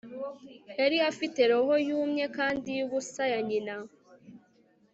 Yari afite roho yumye kandi yubusa ya nyina